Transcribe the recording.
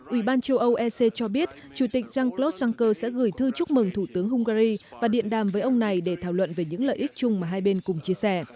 ủy ban châu âu ec cho biết chủ tịch jean claude juncker sẽ gửi thư chúc mừng thủ tướng hungary và điện đàm với ông này để thảo luận về những lợi ích chung mà hai bên cùng chia sẻ